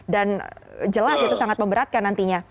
dan jelas itu sangat memberatkan nantinya